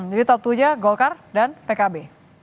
jadi top dua nya golkar dan pkb